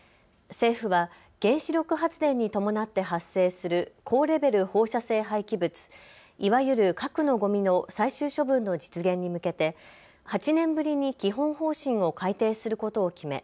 政府は原子力発電に伴って発生する高レベル放射性廃棄物、いわゆる核のごみの最終処分の実現に向けて８年ぶりに基本方針を改定することを決め